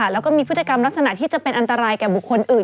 แล้วก็มีพฤติกรรมลักษณะที่จะเป็นอันตรายแก่บุคคลอื่น